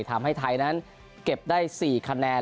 ทำให้ไทยนั้นเก็บได้๔คะแนน